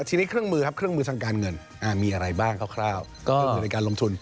ทีนี้เครื่องมือครับเครื่องมือทางการเงินมีอะไรบ้างคร่าวก็คือในการลงทุน